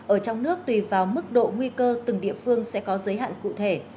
ở trong nước tùy vào mức độ nguy cơ từng địa phương sẽ có giới hạn cụ thể